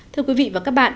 thưa quý vị và các bạn